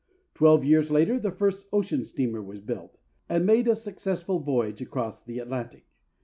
Twelve years later the first ocean steamer was built, and made a successful voyage across the Atlantic.